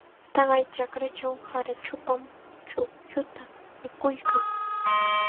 Taqay chakrachaw qarachupam chuqlluta mikuykan.